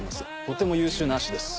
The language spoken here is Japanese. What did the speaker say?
とても優秀な足です。